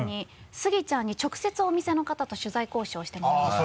スギちゃんに直接お店の方と取材交渉してもらうんですけど。